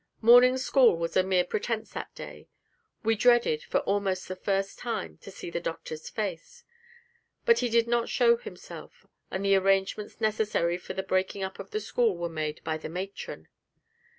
Morning school was a mere pretence that day; we dreaded, for almost the first time, to see the Doctor's face, but he did not show himself, and the arrangements necessary for the breaking up of the school were made by the matron.